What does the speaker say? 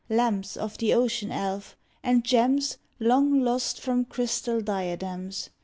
Lamps of the ocean elf, and gems Long lost from crystal diadems.